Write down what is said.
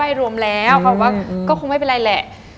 ไหว้รวมแล้วเขาบอกว่าก็คงไม่เป็นไรแหละ